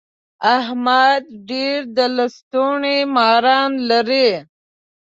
احمد ډېر د لستوڼي ماران لري.